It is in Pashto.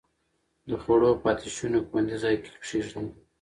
د خوړو پاتې شوني خوندي ځای کې کېږدئ.